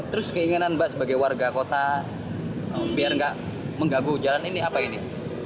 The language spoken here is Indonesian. terus keinginan mbak sebagai warga kota biar nggak menggaguh jalan ini apa ini